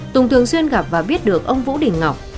tùng thường xuyên gặp và biết được ông vũ đình ngọc